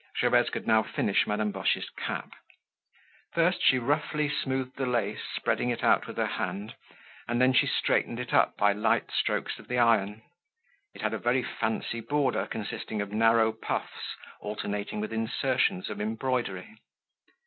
Gervaise could now finish Madame Boche's cap. First she roughly smoothed the lace, spreading it out with her hand, and then she straightened it up by light strokes of the iron. It had a very fancy border consisting of narrow puffs alternating with insertions of embroidery.